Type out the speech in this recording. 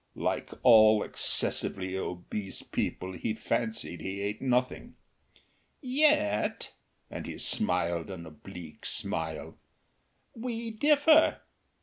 (Like all excessively obese people he fancied he ate nothing.) "Yet," and he smiled an oblique smile "we differ."